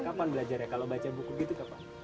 kapan belajarnya kalau baca buku gitu ke apa